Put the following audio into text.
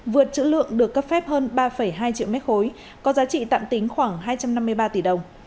vượt chữ lượng được cấp phép hơn ba hai triệu mét khối có giá trị tạm tính khoảng hai trăm năm mươi ba tỷ đồng